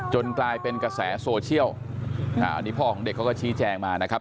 กลายเป็นกระแสโซเชียลอันนี้พ่อของเด็กเขาก็ชี้แจงมานะครับ